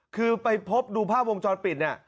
คือไปพบดูภาพวงจรปิด